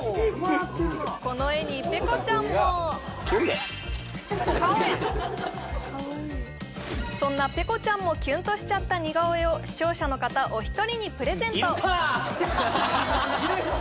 この絵にペコちゃんもそんなペコちゃんもキュンとしちゃった似顔絵を視聴者の方お一人にプレゼントいるか！